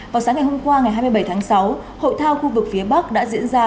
vào sáng ngày hôm qua ngày hai mươi bảy tháng sáu hội thao khu vực phía bắc đã diễn ra